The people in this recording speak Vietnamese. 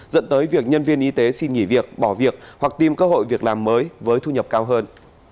dẫn tới việc nhân viên y tế xin nghỉ việc bỏ việc hoặc tìm cơ hội việc làm mới với thu nhập cao hơn